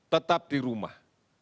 tetap di rumah